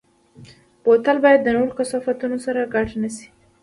بوتل باید د نورو کثافاتو سره ګډ نه شي.